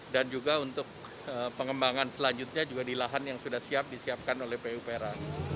dan juga untuk pengembangan selanjutnya juga di lahan yang sudah siap disiapkan oleh pupera